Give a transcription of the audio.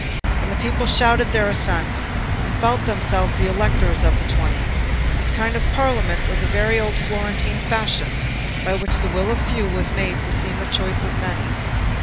And the people shouted their assent, and felt themselves the electors of the Twenty. This kind of "parliament" was a very old Florentine fashion, by which the will of the few was made to seem the choice of the many.